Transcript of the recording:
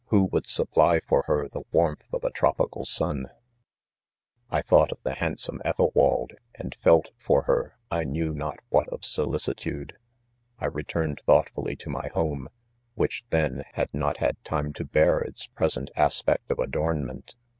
. who .would supply ■ for her the warmth of a .tropical;, sua 1 , 1 thought of the handsome Ethelwald, and felt, fox her, I knew not what of solicitude* . I retained thoughtfully to my home, which. tfreo, had not, ha4 time to bear its present as pect of adornment.